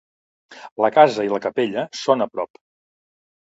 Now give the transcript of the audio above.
La casa i la capella són a prop.